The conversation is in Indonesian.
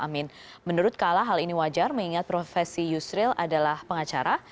menurut kala hal ini wajar mengingat profesi yusril adalah pengacara